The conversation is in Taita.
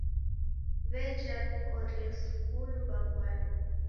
W'eja wikorie sukulu w'aw'adwa